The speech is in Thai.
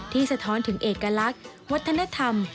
สะท้อนถึงเอกลักษณ์วัฒนธรรม